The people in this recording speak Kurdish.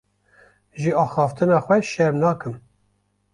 Ji axiftina xwe şerm nakim.